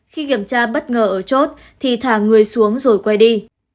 khi kiểm tra bất ngờ ở chốt thì thả người xuống rồi quay đi